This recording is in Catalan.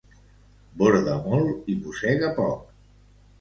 Borda molt i mossega poc.